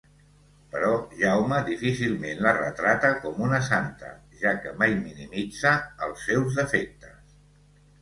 Però Jaume difícilment la retrata com una santa, ja que mai minimitza els seus defectes.